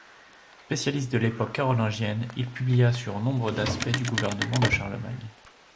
Spécialiste de l'époque carolingienne, il publia sur nombre d'aspects du gouvernement de Charlemagne.